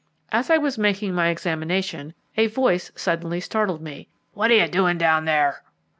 As I was making my examination, a voice suddenly startled me. "What are you doing down there?"